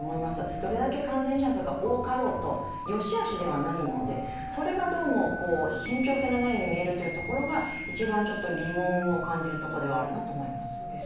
どれだけ感染者数が多かろうと善し悪しではないので、それがどうも信ぴょう性がないように見えるところが一番疑問を感じるところではあるなと思います。